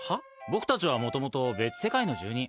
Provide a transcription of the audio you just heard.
僕たちは、もともと別世界の住人。